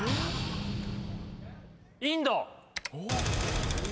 インド。